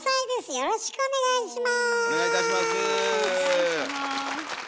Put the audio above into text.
よろしくお願いします。